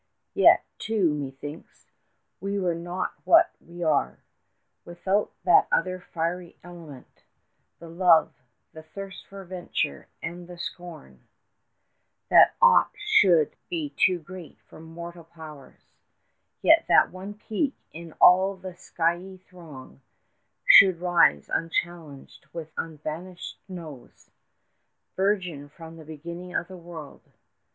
Yet, too, methinks, we were not what we are Without that other fiery element The love, the thirst for venture, and the scorn 15 That aught should be too great for mortal powers That yet one peak in all the skyey throng Should rise unchallenged with unvanquished snows, Virgin from the beginning of the world.